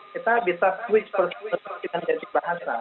kita bisa switch dengan gaji bahasa